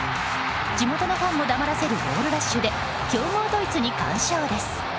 地元のファンも黙らせるゴールラッシュで強豪ドイツに完勝です。